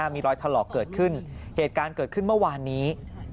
มีรอยถลอกเกิดขึ้นเหตุการณ์เกิดขึ้นเมื่อวานนี้